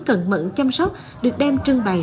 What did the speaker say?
cần mận chăm sóc được đem trưng bày